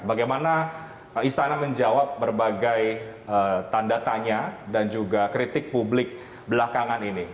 bagaimana istana menjawab berbagai tanda tanya dan juga kritik publik belakangan ini